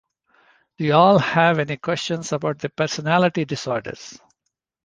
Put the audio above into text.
Do y'all have any questions about the personality disorders?